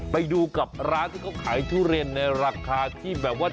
ไปดูกับร้านที่เขาขายทุเรียนในราคาที่แบบว่า